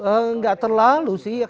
enggak terlalu sih